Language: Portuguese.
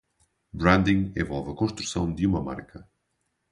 Branding envolve a construção de uma marca.